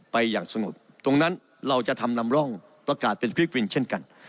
อย่างสงบตรงนั้นเราจะทำนำร่องประกาศเป็นฟิลิปปินส์เช่นกัน